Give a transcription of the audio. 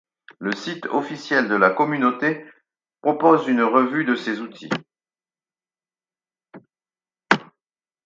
Le site officiel de la communauté propose une revue de ces outils.